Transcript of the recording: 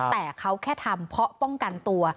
แต่เขาแค่ทำเพราะป้องกันตัว